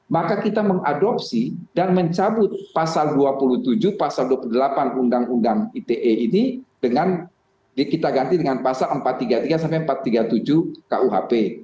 maka kita mengadopsi dan mencabut pasal dua puluh tujuh pasal dua puluh delapan undang undang ite ini dengan kita ganti dengan pasal empat ratus tiga puluh tiga sampai empat ratus tiga puluh tujuh kuhp